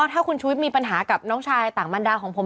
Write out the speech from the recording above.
ถ้าคุณชุวิตมีปัญหากับน้องชายต่างบรรดาของผม